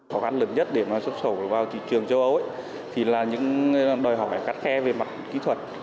khó khăn lớn nhất để xuất khẩu vào thị trường châu âu là những đòi hỏi cắt khe về mặt kỹ thuật